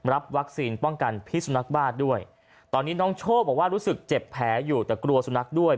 รับวัคซีนป้องกันพิษสุนักบ้าด้วยตอนนี้น้องโชคบอกว่ารู้สึกเจ็บแผลอยู่แต่กลัวสุนัขด้วย